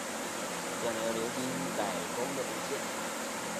电流流经改装的线路